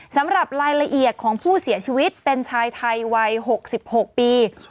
สำหรับรายละเอียดของผู้เสียชีวิตเป็นชายไทยวัย๖๖ปี